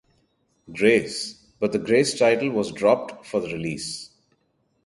Grace, but the Grace title was dropped for the release.